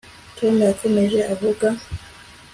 tom yakomeje avuga